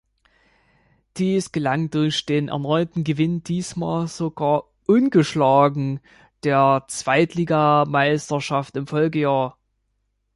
Dies gelang durch den erneuten Gewinn, diesmal sogar ungeschlagen, der Zweitligameisterschaft im Folgejahr.